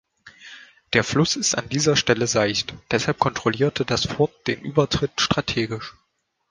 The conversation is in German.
Der Fluss ist an dieser Stelle seicht, deshalb kontrollierte das Fort den Übertritt strategisch.